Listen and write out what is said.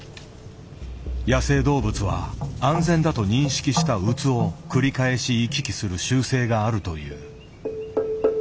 野生動物は安全だと認識したウツを繰り返し行き来する習性があるという。